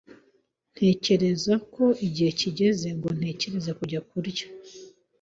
Ntekereza ko igihe kigeze ngo ntekereze kujya kurya.